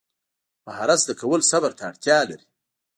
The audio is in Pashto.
مهارت زده کول صبر ته اړتیا لري.